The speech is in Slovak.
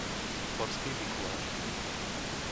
Borský Mikuláš